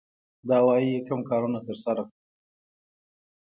دا وايي کوم کارونه ترسره کړو.